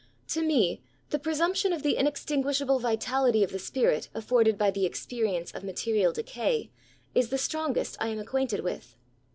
To me^ the presumption of the inextinguishable vitality of the spirit afforded by the experience of material decay^ is the strongest I am acquainted with.